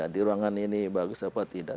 di ruangan ini bagus apa tidak